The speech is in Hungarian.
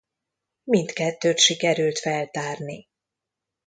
Mindkettőt sikerült feltárni.